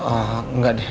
ah enggak deh